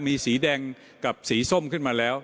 มีสีแดงกับสีส้มขึ้นมาแล้ว